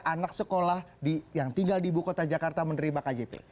anak sekolah yang tinggal di ibu kota jakarta menerima kjp